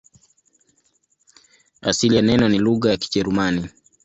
Asili ya neno ni lugha ya Kijerumani.